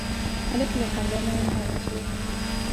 هلک له خندا نه الهام اخلي.